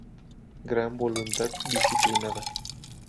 Gran voluntad disciplinada.